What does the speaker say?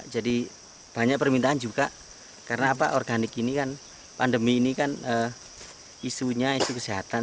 jadi banyak permintaan juga karena apa organik ini kan pandemi ini kan isunya isu kesehatan